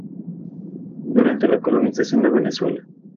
Durante la colonización de Venezuela.